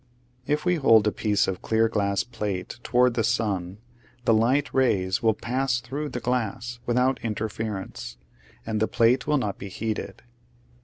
If we hold a piece of clear glass plate toward the sun the light rays will pass through the glass without interference, and the plate will not be heated.